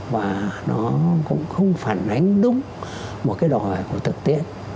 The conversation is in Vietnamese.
và nó cũng không phản ánh đúng một cái đòi hỏi của thực tiễn